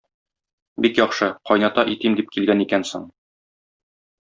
Бик яхшы, кайната итим дип килгән икәнсең.